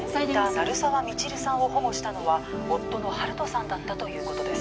鳴沢未知留さんを保護したのは夫の温人さんだったということです